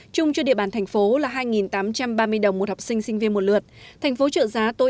chung cho địa bàn thành phố là hai tám trăm ba mươi đồng một học sinh sinh viên một lượt thành phố trợ giá tối